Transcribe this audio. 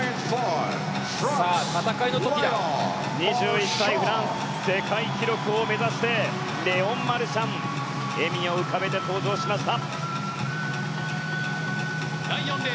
２１歳、フランス世界記録を目指してレオン・マルシャン笑みを浮かべて登場しました。